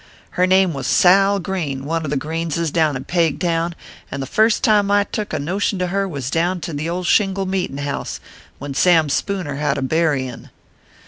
Her name was Sal Green one of the Greenses down in Pegtown and the first time I took a notion to her was down to the old shingle ORPHEUS C. KERR PAPERS. 17 meetin house, when Sam Spooner had a bury in